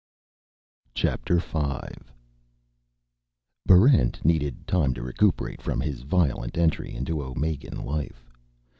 Chapter Five Barrent needed time to recuperate from his violent entry into Omegan life.